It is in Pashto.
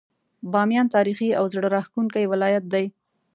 باميان تاريخي او زړه راښکونکی ولايت دی.